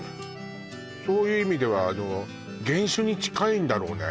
そういう意味ではあの原種に近いんだろうね